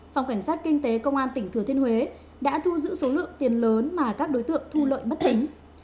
phòng cảnh sát kinh tế công an tp hcm đã thu giữ số lượng tiền lớn mà các đối tượng thu lợi bắt chính